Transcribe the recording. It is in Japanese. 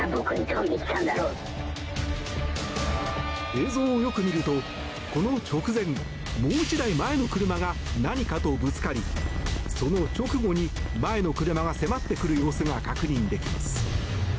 映像をよく見るとこの直前もう１台前の車が何かとぶつかりその直後に前の車が迫ってくる様子が確認できます。